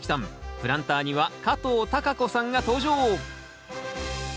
プランターには加藤貴子さんが登場。